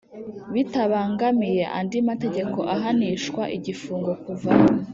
Bitabangamiye andi mategeko ahanishwa igifungo kuva